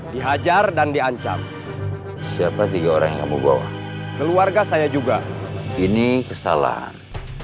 dihajar dan diancam siapa tiga orang yang kamu bawa keluarga saya juga ini kesalahan